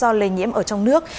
do lây nhiễm ở trong nước